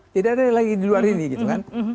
tidak ada lagi di luar ini gitu kan